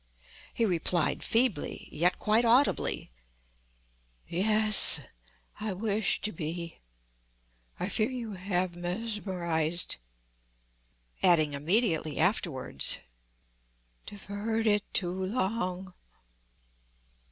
He replied feebly, yet quite audibly, "Yes, I wish to be. I fear you have mesmerized"—adding immediately afterwards: "I fear you have deferred it too long."